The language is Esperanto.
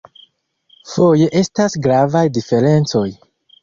Foje estas gravaj diferencoj.